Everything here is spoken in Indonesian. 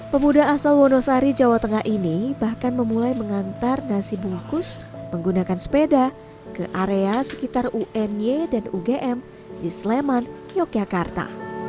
pemuda asal wonosari jawa tengah ini bahkan memulai mengantar nasi bungkus menggunakan sepeda ke area sekitar uny dan ugm di sleman yogyakarta